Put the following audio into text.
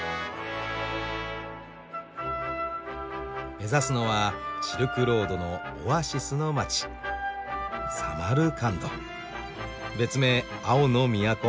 目指すのはシルクロードのオアシスの街別名「青の都」。